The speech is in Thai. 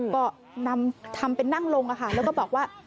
ก็นำทำเป็นนั่งลงแล้วก็บอกว่า